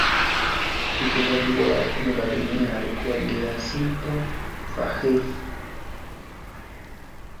mchezaji bora wa kombe la dunia alikuwa giasinto faccheff